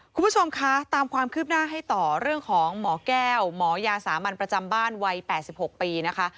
คุณผู้ชมคะตามความคืบหน้าให้ต่อเรื่องของหมอแก้วหมอยาสามัญประจำบ้านวัย๘๖ปีนะคะ